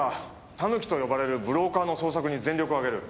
タヌキと呼ばれるブローカーの捜索に全力をあげる。